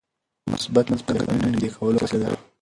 مثبت منځپانګه د ټولنې نږدې کولو وسیله ده.